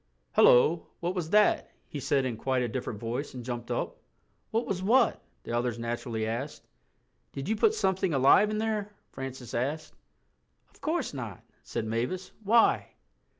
_'" "Hullo—what was that?" he said in quite a different voice, and jumped up. "What was what?" the others naturally asked. "Did you put something alive in there?" Francis asked. "Of course not," said Mavis. "Why?"